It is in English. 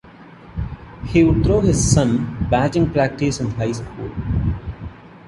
He would throw his son batting practice in high school.